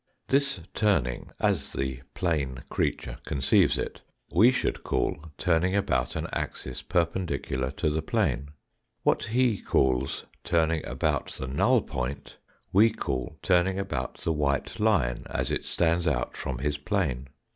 This turning, as the plane creature conceives it, we should call turning about an axis perpendicular to the plane. What he calls turning about the null point we call turning about the white line as it stands out from his plane.